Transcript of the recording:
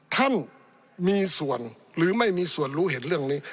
ท่านมีส่วนหรือไม่มีส่วนรู้เห็นเรื่องนี้